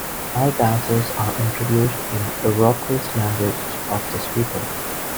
All dances are introduced in the Iroquois language of the speaker.